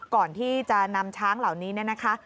ก่อนที่จะนำช้างเหล่านี้เนี่ยนะคะ